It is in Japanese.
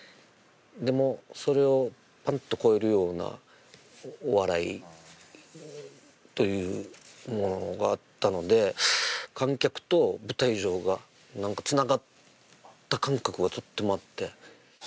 でも、それをパンと超えるようなお笑いというものがあったので、観客と舞台上がなんかつながった感覚がとってもあって。